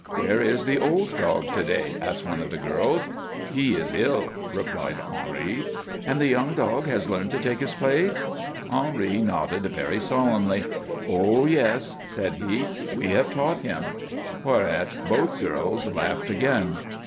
"Where is the old dog to day?" asked one of the girls. "He is ill," replied Henri. "And the young dog has learned to take his place?" Henri nodded very solemnly. "Oh, yes," said he, "we have taught him." Whereat both girls laughed again.